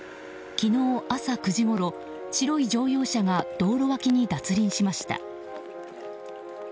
昨日朝９時ごろ、白い乗用車が道路脇に脱輪しました。